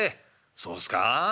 「そうすか？